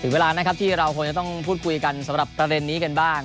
เวลานะครับที่เราคงจะต้องพูดคุยกันสำหรับประเด็นนี้กันบ้าง